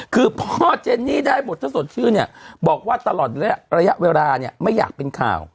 คือพ่อเจนนี่ได้บทถ้าสดชื่นเนี่ยบอกว่าตลอดระยะเวลาเนี่ยไม่อยากเป็นข่าว